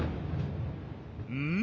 うん？